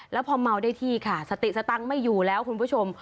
แล้วพอเมาได้ที่ค่ะสติสตังค์ไม่อยู่แล้วคุณผู้ชม